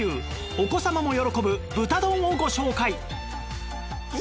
お子様も喜ぶ豚丼をご紹介